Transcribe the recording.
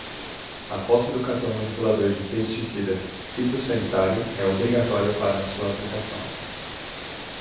A posse do cartão manipulador de pesticidas fitossanitário é obrigatória para a sua aplicação.